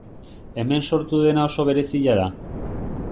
Hemen sortu dena oso berezia da.